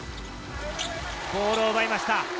ボールを奪いました。